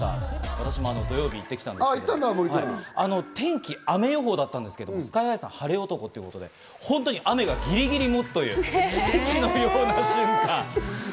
私も土曜日に行ってきたんですけど、天気、雨予報だったんですけどＳＫＹ−ＨＩさん、晴れ男ということで本当に雨がギリギリもつという奇跡のような瞬間。